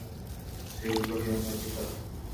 সে বলল, হে আমার পিতা!